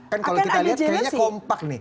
kan kalau kita lihat kayaknya kompak nih